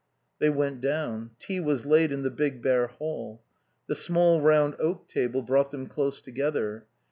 They went down. Tea was laid in the big bare hall. The small round oak table brought them close together.